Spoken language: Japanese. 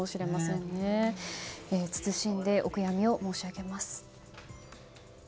謹んでお悔やみを申し上げます。